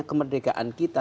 untuk kemerdekaan kita